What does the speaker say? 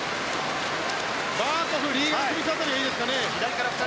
バーコフ、リーガン・スミス辺りいいですかね。